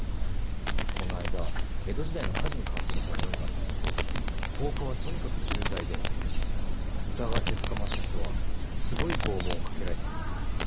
僕この間江戸時代の火事に関する本読んだんですけど放火はとにかく重罪で疑われて捕まった人はすごい拷問をかけられたんですよ。